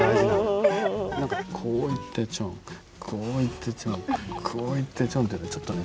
何かこういってちょんこういってちょんこういってちょんっていうのはちょっとね